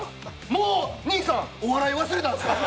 もう兄さんお笑い忘れたんですか？